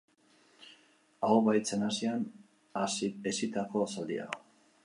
Hau baitzen Asian hezitako zaldia.